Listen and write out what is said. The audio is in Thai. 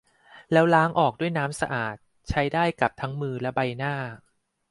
แล้วล้างออกด้วยน้ำสะอาด ใช้ได้กับทั้งมือและใบหน้า